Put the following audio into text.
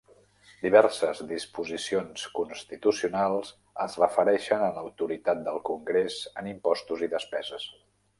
Diverses disposicions constitucionals es refereixen a l'autoritat del congrés en impostos i despeses.